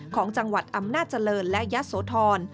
ของจังหวัดอำนาจเจริญและยะโสธร